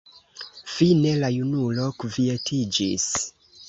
Fine la junulo kvietiĝis.